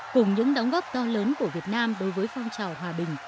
cùng những đóng góp to lớn của việt nam đối với phong trào hòa bình